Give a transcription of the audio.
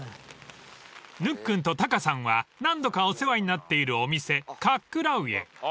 ［ぬっくんとタカさんは何度かお世話になっているお店勝喰へ］